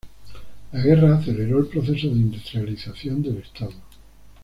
La guerra aceleró el proceso de industrialización del Estado.